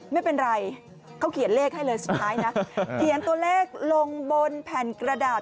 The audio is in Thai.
ไม่เป็นไรเขาเขียนเลขให้เลยสุดท้ายนะเขียนตัวเลขลงบนแผ่นกระดาษ